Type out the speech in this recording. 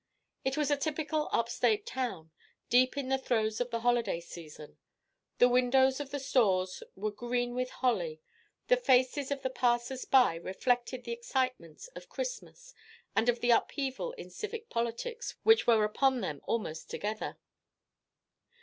It was a typical up state town, deep in the throes of the holiday season. The windows of the stores were green with holly; the faces of the passers by reflected the excitements of Christmas and of the upheaval in civic politics which were upon them almost together.